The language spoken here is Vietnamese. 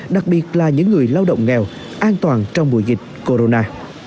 đặc biệt là những người lao động nghèo an toàn trong mùa dịch corona